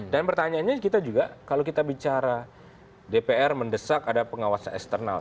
dan pertanyaannya kita juga kalau kita bicara dpr mendesak ada pengawasan eksternal